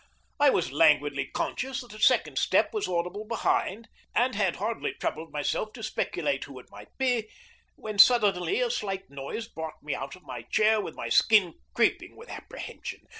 I was languidly conscious that a second step was audible behind, and had hardly troubled myself to speculate who it might be, when suddenly a slight noise brought me out of my chair with my skin creeping with apprehension.